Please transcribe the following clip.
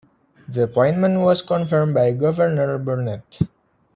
The appointment was confirmed by Governor Burnet.